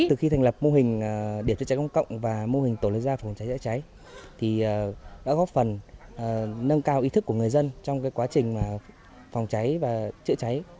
từ khi thành lập mô hình điểm chữa cháy công cộng và mô hình tổ liên gia an toàn phòng cháy cháy cháy